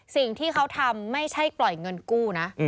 สิ่งที่เขาทำไม่ใช่ปล่อยเงินกู้นะ